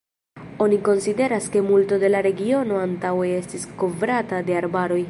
Oni konsideras ke multo de la regiono antaŭe estis kovrata de arbaroj.